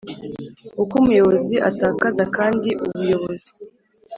Uko Umuyobozi Atakaza Kandi Ubuyobozi